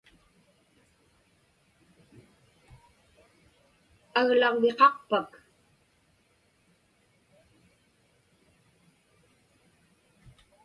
Aglagviqaqpak?